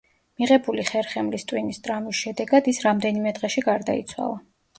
მიღებული ხერხემლის ტვინის ტრავმის შედეგად, ის რამდენიმე დღეში გარდაიცვალა.